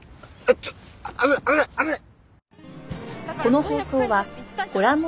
ちょっ危ない危ない危ない！